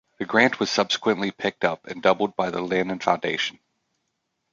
The grant was subsequently picked up and doubled by the Lannan Foundation.